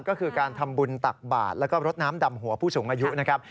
ก็คือการทำบุญตักบาทแล้วก็รดน้ำดำหัวผู้สูงอายุนะครับ